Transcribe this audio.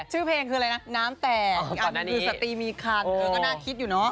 ชื่อเพลงคืออะไรนะน้ำแตกอีกอันหนึ่งคือสตรีมีคันเธอก็น่าคิดอยู่เนอะ